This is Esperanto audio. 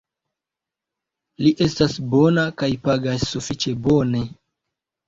Li estas bona kaj pagas sufiĉe bone.